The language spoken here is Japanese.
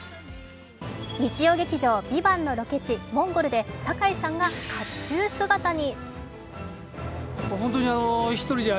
日曜劇場「ＶＩＶＡＮＴ」のロケ地モンゴルで堺雅人さんがかっちゅう姿に。